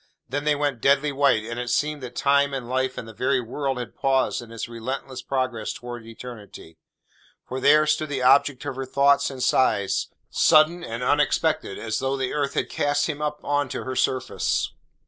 Then they went deadly white, and it seemed that time and life and the very world had paused in its relentless progress towards eternity. For there stood the object of her thoughts and sighs, sudden and unexpected, as though the earth had cast him up on to her surface.